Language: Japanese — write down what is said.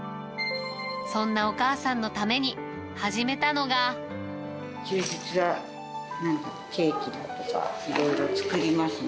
そんなお母さんのために、始めた休日はケーキとか、いろいろ作りますね。